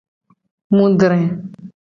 Mu dre.